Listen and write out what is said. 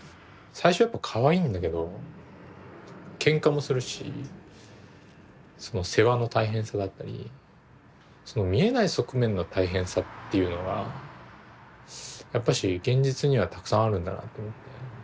最初やっぱかわいいんだけどけんかもするしその世話の大変さだったりその見えない側面の大変さっていうのはやっぱし現実にはたくさんあるんだなと思って。